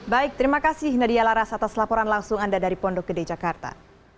baik terima kasih nadia laras atas laporan langsung anda dari pondok gede jakarta